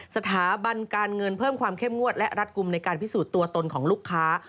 สถาบันการเงินเพิ่มความเข้มงวดและรัฐกลุ่มในการพิสูจน์ตัวตนของลูกค้า